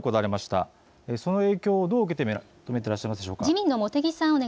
その影響、どう受け止めていらっしゃいますか。